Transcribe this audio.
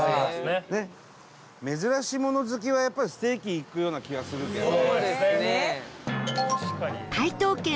伊達：珍しい物好きはやっぱり、ステーキいくような気がするけどね。